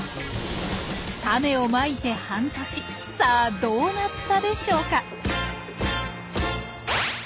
タネをまいて半年さあどうなったでしょうか？